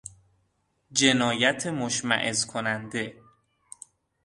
جنایت مشمئز کننده